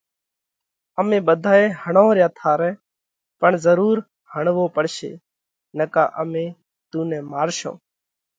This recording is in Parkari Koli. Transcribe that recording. امي ٻڌائي هڻونه ريا ٿارئہ پڻ ضرُور هڻوو پڙشي نڪا امي تُون نئہ مارشون۔